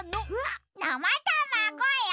なまたまごよ。